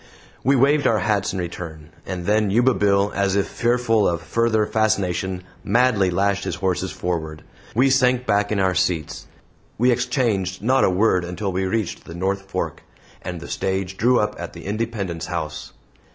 We waved our hats in return. And then Yuba Bill, as if fearful of further fascination, madly lashed his horses forward, and we sank back in our seats. We exchanged not a word until we reached the North Fork, and the stage drew up at the Independence House.